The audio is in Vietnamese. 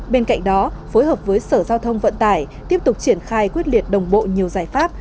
bên cạnh đó phối hợp với sở giao thông vận tải tiếp tục triển khai quyết liệt đồng bộ nhiều giải pháp